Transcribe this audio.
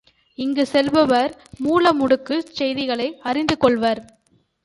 இங்குச் செல்பவர் மூலமுடுக்குச் செய்திகளை அறிந்துகொள்வர்.